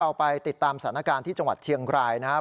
ไปติดตามสถานการณ์ที่จังหวัดเชียงรายนะครับ